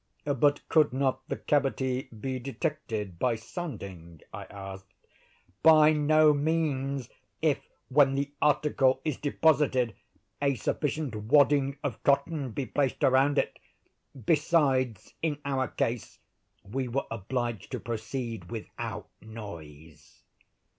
"But could not the cavity be detected by sounding?" I asked. "By no means, if, when the article is deposited, a sufficient wadding of cotton be placed around it. Besides, in our case, we were obliged to proceed without noise."